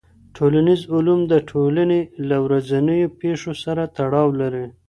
ټولنیز علوم د ټولني له ورځنیو پېښو سره تړاو لري.